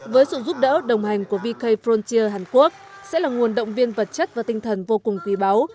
với sự giúp đỡ đồng hành của vk frontier hàn quốc sẽ là nguồn động viên vật chất và tinh thần vô cùng quý báu